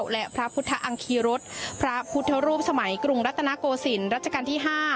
และพระพุทธอังคีรสพระพุทธรูปสมัยกรุงรัตนโกศิลปรัชกาลที่๕